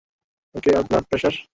ওকে, আর ব্লাড পেশার?